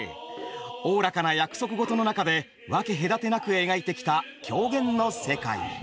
おおらかな約束事の中で分け隔てなく描いてきた狂言の世界。